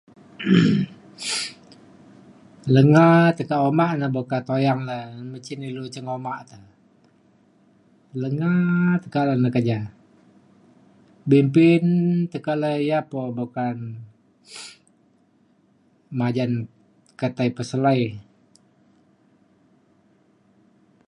Lenga tekak uma na buk ka tuyang le mejin ilu cin uma te lenga tekak dalau le ke ja bimpin tekak le ya po bukan majan ketai peselai.